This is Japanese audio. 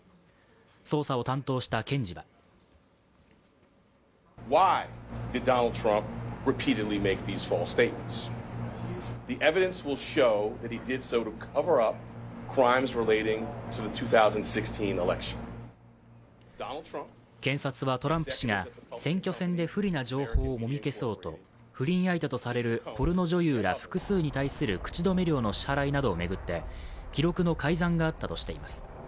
捜査を担当した検事は検察はトランプ氏が選挙戦で不利な情報をもみ消そうと不倫相手とされるポルノ女優ら複数に対する口止め料の支払いなどを巡って記録の改ざんがあったとしています。